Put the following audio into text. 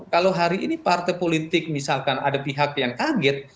kalau hari ini partai politik misalkan ada pihak yang kaget